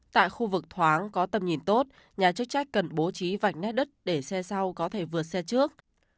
tại khu vực thoáng có tầm nhìn tốt nhà chức trách cần bố trí vạch nét đất để xe sau có thể vượt xe trước